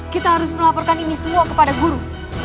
kita harus melaporkan ini semua kepada guru